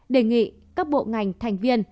đề nghị các bộ ngành thành viên